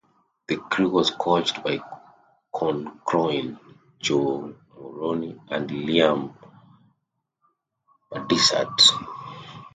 The crew was coached by Con Cronin, Joe Moroney and Liam Perdiasatt.